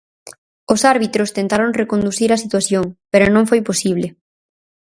Os árbitros tentaron reconducir a situación, pero non foi posible.